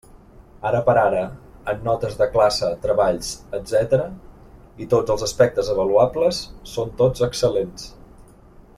Ara per ara, en notes de classe, treballs, etcètera, i tots els aspectes avaluables, són tot excel·lents.